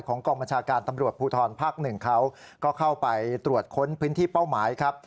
กองบัญชาการตำรวจภูทรภาคหนึ่งเขาก็เข้าไปตรวจค้นพื้นที่เป้าหมายครับ